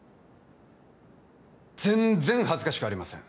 全然恥ずかしくありません